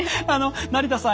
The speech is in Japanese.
成田さん